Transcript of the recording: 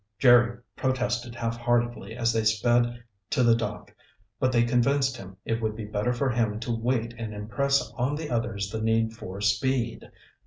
Jerry protested halfheartedly as they sped to the dock, but they convinced him it would be better for him to wait and impress on the others the need for speed.